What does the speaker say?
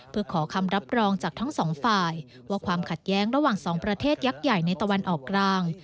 เพื่อขอคำรับรองจากทั้งสองฝ่ายว่าความขัดแย้งระหว่างสองประเทศยักษ์ใหญ่ในตะวันออกกลาง